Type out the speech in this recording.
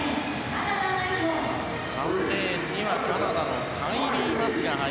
３レーンにはカナダのカイリー・マスです。